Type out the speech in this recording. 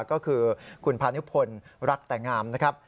ก็คือคุณพานุพลรักแต่งามนะครับ